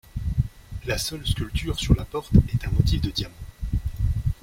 La seule sculpture sur la porte est un motif de diamant.